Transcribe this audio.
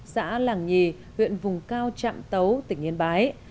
xã làng nhì huyện vùng cao trạm tấu tỉnh yên bái